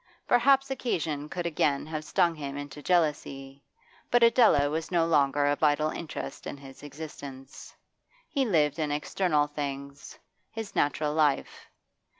Perhaps occasion could again have stung him into jealousy, but Adela was no longer a vital interest in his existence. He lived in external things, his natural life.